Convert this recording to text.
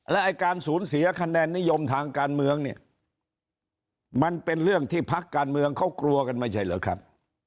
และไอ้การสูญเสียคะแนนนิยมทางการเมืองเนี่ยมันเป็นเรื่องที่พักการเมืองเขากลัวกันไม่ใช่เหรอครับ